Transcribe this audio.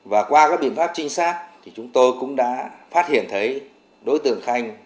và qua các biện pháp chinh xác chúng tôi cũng đã phát hiện thấy đối tượng khanh